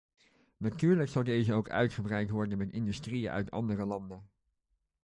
Natuurlijk zal deze ook uitgebreid worden met industrieën uit andere landen.